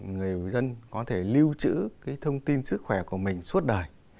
người dân có thể lưu trữ cái thông tin sức khỏe của mình suốt đời